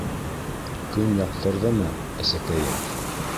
— Көн яҡтырҙымы, әсәкәйем?